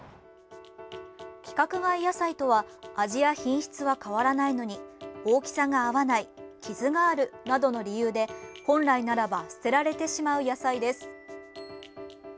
規格外野菜とは味や品質は変わらないのに大きさが合わない傷があるなどの理由で本来ならば捨てられてしまう野菜です。